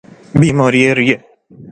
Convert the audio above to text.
بیماری ریه